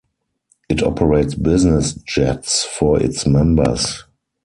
It operates business jets for its members.